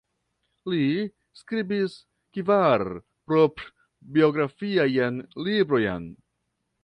Li skribis kvar proprbiografiajn librojn.